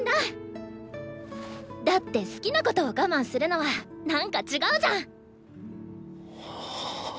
だって好きなことを我慢するのはなんか違うじゃん！